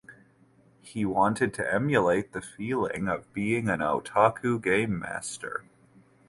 He wanted to emulate the feeling of being an "otaku gamemaster".